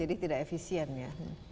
jadi tidak efisien ya